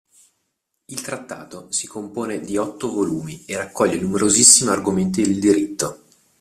Il trattato si compone di otto volumi e raccoglie numerosissimi argomenti del diritto.